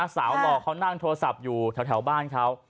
หล่อเขานั่งโทรศัพท์อยู่แถวบ้านเขา